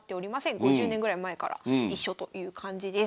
５０年ぐらい前から一緒という感じです。